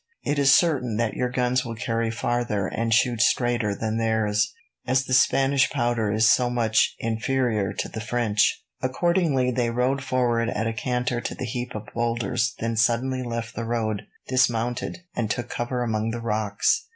It is certain that your guns will carry farther and shoot straighter than theirs, as the Spanish powder is so much inferior to the French." Accordingly, they rode forward at a canter to the heap of boulders, then suddenly left the road, dismounted, and took cover among the rocks.